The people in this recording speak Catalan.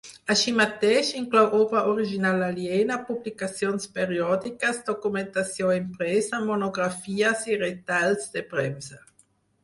Així mateix, inclou obra original aliena, publicacions periòdiques, documentació impresa, monografies i retalls de premsa.